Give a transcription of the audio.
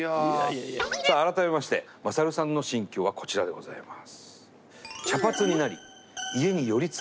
さあ改めまして勝さんの心境はこちらでございます。